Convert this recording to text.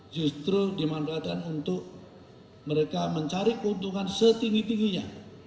justru dimanfaatkan untuk mereka mencari keuntungan setinggi tingginya